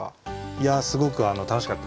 いやすごく楽しかったです。